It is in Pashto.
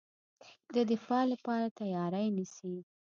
د دفاع لپاره تیاری نیسي.